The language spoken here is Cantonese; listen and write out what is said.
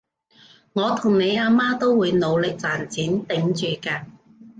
我同你阿媽都會努力賺錢頂住嘅